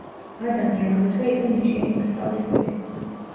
ადამი აგრეთვე იყო ნიჭიერი მასწავლებელი.